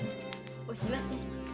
〔押しません。